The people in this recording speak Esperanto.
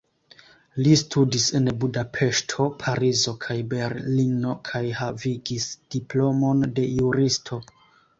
Li studis en Budapeŝto, Parizo kaj Berlino kaj havigis diplomon de juristo.